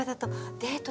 デデート？